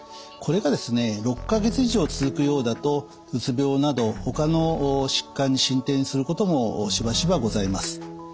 これがですね６か月以上続くようだとうつ病などほかの疾患に進展することもしばしばございます。